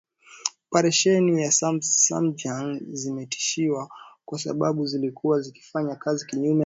Operesheni za SMUG zimesitishwa kwa sababu zilikuwa zikifanya kazi kinyume cha sheria